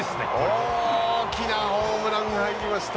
大きなホームラン入りました。